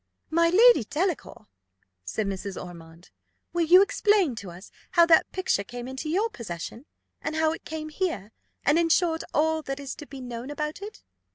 "My Lady Delacour," said Mrs. Ormond, "will you explain to us how that picture came into your possession, and how it came here, and, in short, all that is to be known about it?"